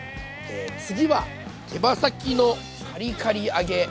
次は手羽先のカリカリ揚げ。